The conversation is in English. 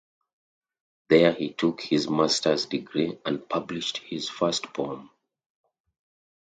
There he took his master's degree and published his first poem.